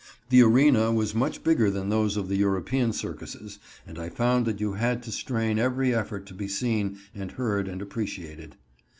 The arena was much bigger than those of the European circuses, and I found that you had to strain every effort to be seen and heard and appreciated.